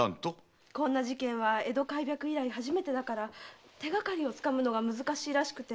こんな事件は江戸開闢以来初めてだから手がかりをつかむのが難しいらしくて。